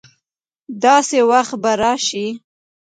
داسي وخت به راشي